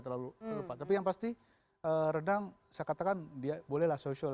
tapi yang pasti renang saya katakan bolehlah social